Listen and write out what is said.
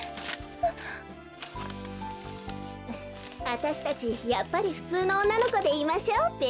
あたしたちやっぱりふつうのおんなのこでいましょうべ。